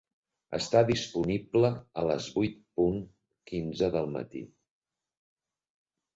Està disponible a les vuit punt quinze del matí.